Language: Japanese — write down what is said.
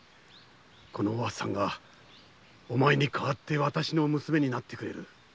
このお初さんがお前に代わってわたしの娘になってくれる。